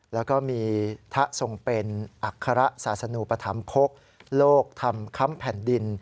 แล้วก็มีทะทรงเป็นอัคระศาสนุปธรรมพกโลกธรรมค้ำแผ่นดิน